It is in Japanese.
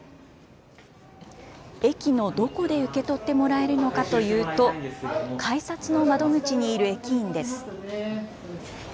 駅のどこで受け取ってもらえるのかというと改札の窓口にいる駅員です。